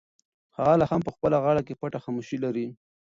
هغه لا هم په خپله غاړه کې پټه خاموشي لري.